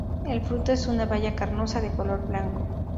El fruto es una baya carnosa de color blanco.